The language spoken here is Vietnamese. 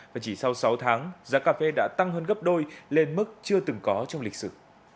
và chỉ sau sáu tháng giá cà phê đã tăng hơn gấp đôi lên mức chưa từng có trong lịch sử